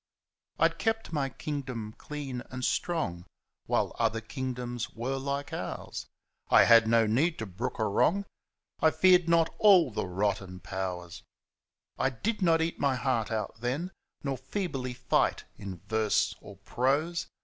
I'd kept my kingdom clean and strong While other kingdoms were like ours — I had no need to brook a wrong, I feared not all the rotten Powers I did not eat my heart out then. Nor feebly fight in verse or prose.